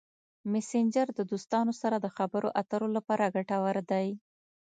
مسېنجر د دوستانو سره د خبرو اترو لپاره ګټور دی.